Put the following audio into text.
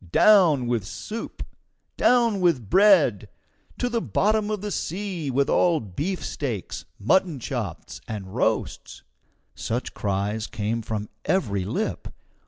Down with soup! Down with bread! To the bottom of the sea with all beefsteaks, mutton chops, and roasts!" Such cries came from every lip.